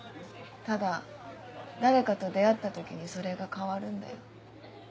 ただ誰かと出会った時にそれが変わるんだよ。